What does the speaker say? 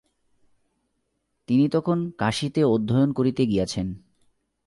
তিনি তখন কাশীতে অধ্যয়ন করিতে গিয়াছেন।